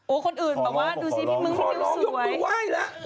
โอ๊ยคนอื่นบอกว่าดูสิพี่มึงไม่รู้สวยขอลองยกมือว่ายละ